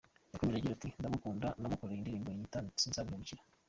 Yakomeje agira ati :« Ndamukunda namukoreye n’indirimbo nyita Sinzahemuka.